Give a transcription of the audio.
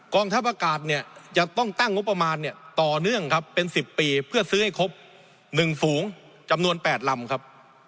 กองทัพประกาศจะต้องตั้งมุมประมาณต่อเนื่องครับเป็น๑๐ปีเพื่อซื้อให้ครบ๑ฝูงจำนวน๘ลำครับ